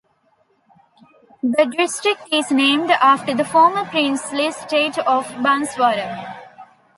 The district is named after the former Princely State of Banswara.